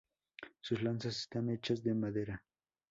Sus lanzas están hechas de madera.